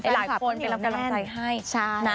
หลายคนเป็นกำลังใจให้นะ